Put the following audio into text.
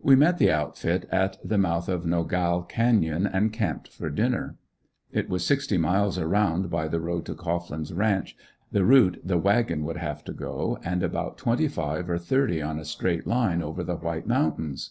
We met the outfit at the mouth of Nogal canyon and camped for dinner. It was sixty miles around by the road to Cohglin's ranch, the route the wagon would have to go and about twenty five or thirty on a straight line over the White Mountains.